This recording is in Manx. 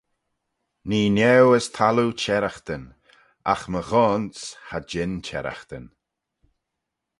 Nee niau as thalloo çherraghtyn, agh my ghoan's cha jean çherraghtyn.